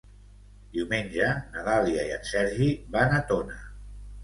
Diumenge na Dàlia i en Sergi van a Tona.